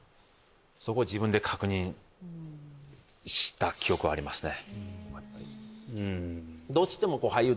そこを自分で確認した記憶はありますね